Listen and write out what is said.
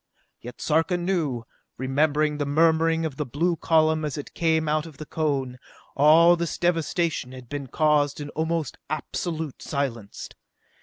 Yet, Sarka knew, remembering the murmuring of the blue column as it came out of the cone, all this devastation had been caused in almost absolute silence.